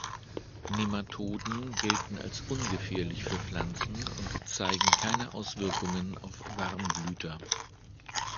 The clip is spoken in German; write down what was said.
Nematoden gelten als ungefährlich für Pflanzen und zeigen keine Auswirkungen auf Warmblüter.